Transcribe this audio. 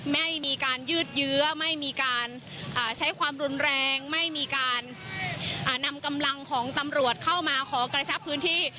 ไม่มีการยืดเยื้อไม่มีการใช้ความรุนแรงไม่มีการนำกำลังของตำรวจเข้ามาขอกระชับพื้นที่